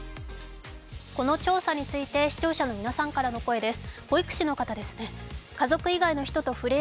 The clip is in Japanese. この調査について視聴者の皆さんからの声です。